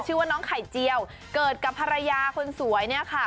ชื่อว่าน้องไข่เจียวเกิดกับภรรยาคนสวยเนี่ยค่ะ